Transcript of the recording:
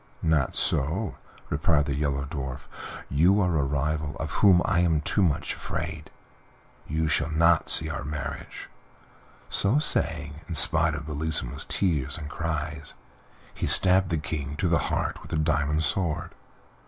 "Not so," replied the Yellow Dwarf; "you are a rival of whom I am too much afraid; you shall not see our marriage." So saying, in spite of Bellissima's tears and cries, he stabbed the King to the heart with the diamond sword.